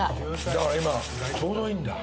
だから今ちょうどいいんだ。